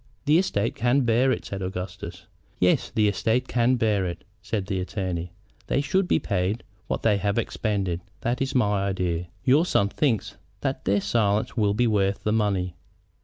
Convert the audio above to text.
"The estate can bear it," said Augustus. "Yes, the estate can bear it," said the attorney. "They should be paid what they have expended. That is my idea. Your son thinks that their silence will be worth the money."